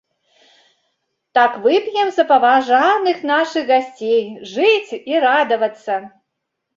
Так вып'ем за паважаных нашых гасцей, жыць і радавацца.